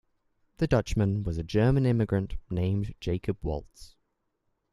The Dutchman was a German immigrant named Jacob Waltz.